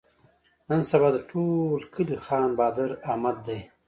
نن سبا د ټول کلي خان بادار احمد دی.